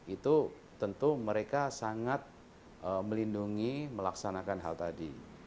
itu tentu mereka sangat melindungi melaksanakan hal tadi